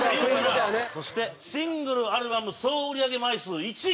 そしてシングル・アルバム総売上枚数１位。